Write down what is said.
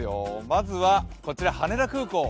まずはこちら羽田空港。